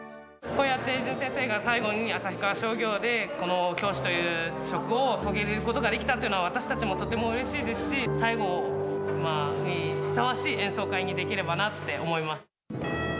こうやって淳先生が最後に旭川商業でこの教師という職を遂げれることができたっていうのは、私たちもとてもうれしいですし、最後にふさわしい演奏会にできればなって思います。